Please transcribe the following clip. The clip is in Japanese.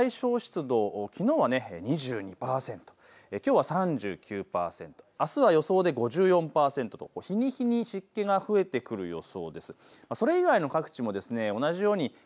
東京の最小湿度、きのうは２２％、きょうは３９％、あすは予想で５４％と日に日に湿気が増えてくる予想です。